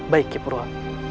baik niki purwa